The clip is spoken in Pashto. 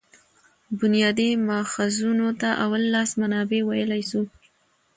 بنیادي ماخذونو ته اول لاس منابع ویلای سو.